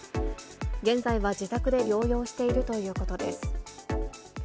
現在は自宅で療養しているということです。